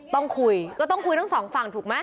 ต้องคุยก็ต้องคุยทั้งสองฝั่งถูกไหม